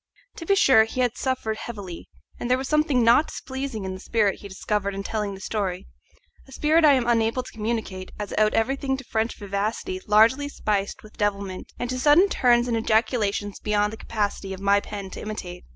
To be sure he had suffered heavily, and there was something not displeasing in the spirit he discovered in telling the story a spirit I am unable to communicate, as it owed everything to French vivacity largely spiced with devilment, and to sudden turns and ejaculations beyond the capacity of my pen to imitate.